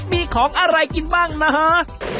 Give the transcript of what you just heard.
มีของอะไรกินบ้างนะฮะ